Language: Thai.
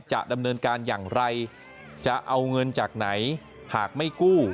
จะดำเนินการอย่างไรจะเอาเงินจากไหนหากไม่กู้